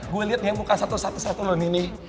gue liat deh muka satu satu satu lu nih